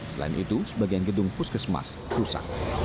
selain itu sebagian gedung puskesmas rusak